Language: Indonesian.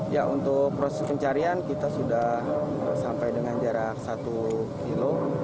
ya untuk proses pencarian kita sudah sampai dengan jarak satu kilo